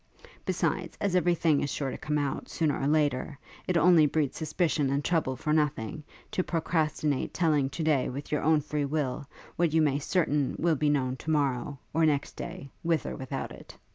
Besides, as every thing is sure to come out, sooner or later, it only breeds suspicion and trouble for nothing, to procrastinate telling to day with your own free will, what you may be certain will be known to morrow, or next day, with or without it.